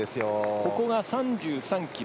ここが３３ｋｍ。